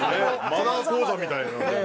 マナー講座みたいな。